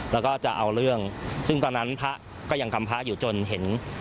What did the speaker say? แล้วก็จะเอาเรื่องซึ่งตอนนั้นพระก็ยังกำพระอยู่จนเห็น